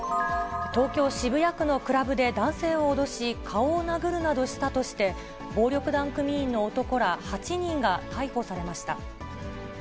東京・渋谷区のクラブで男性を脅し、顔を殴るなどしたとして、暴力団組員の男ら８人が逮捕されました。